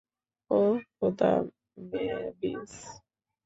ওহ, খোদা, মেভিস!